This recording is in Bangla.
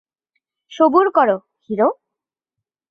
সবুর কর, হিরো।